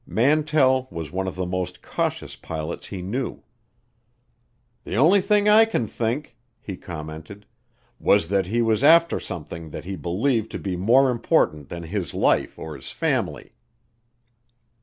Mantell was one of the most cautious pilots he knew. "The only thing I can think," he commented, "was that he was after something that he believed to be more important than his life or his family."